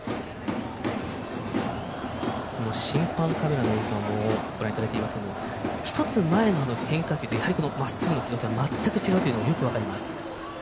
審判カメラの映像もご覧いただいていますが１つ前の変化球とまっすぐの軌道とはまったく違うというのがよく分かります。